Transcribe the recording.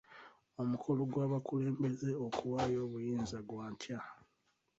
Omukolo gw'abakulembeze okuwaayo obuyinza gwa nkya.